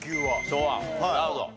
なるほど。